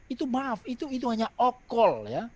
itu maaf itu hanya okol ya